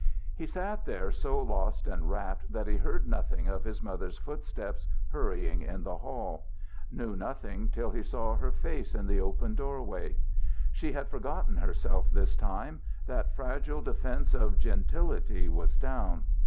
He sat there so lost and rapt that he heard nothing of his mother's footsteps hurrying in the hall; knew nothing till he saw her face in the open doorway. She had forgotten herself this time; that fragile defense of gentility was down.